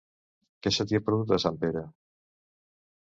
Què se t'hi ha perdut, a Sempere?